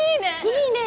いいね！